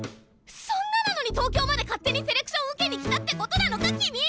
そんななのに東京まで勝手にセレクション受けに来たってことなのか君！